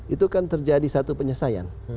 itu kan terjadi satu penyelesaian